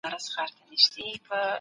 د يوې ټولنې کلتور پرمخ روانېږي.